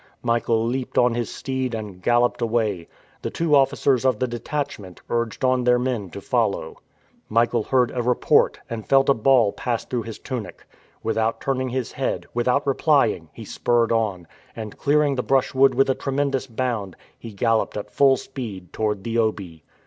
Michael leaped on his steed, and galloped away. The two officers of the detachment urged on their men to follow. Michael heard a report, and felt a ball pass through his tunic. Without turning his head, without replying, he spurred on, and, clearing the brushwood with a tremendous bound, he galloped at full speed toward the Obi.